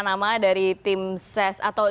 nama dari tim ses atau